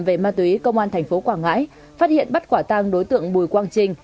về ma túy công an tp quảng ngãi phát hiện bắt quả tăng đối tượng bùi quang trinh